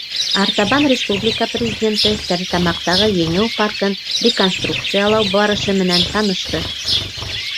Артабан республика Президенты Стәрлетамаҡтағы Еңеү паркын реконструкциялау барышы менән танышты.